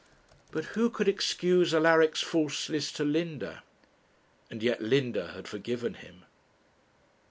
But who could excuse Alaric's falseness to Linda? And yet Linda had forgiven him.